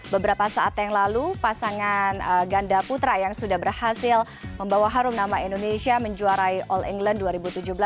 beberapa saat yang lalu pasangan ganda putra yang sudah berhasil membawa harum nama indonesia menjuarai all england dan juga marcus di bandara soekarno hatta tanggerang banten